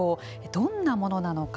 どんなものなのか。